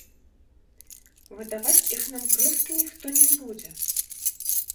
Выдаваць іх нам проста ніхто не будзе!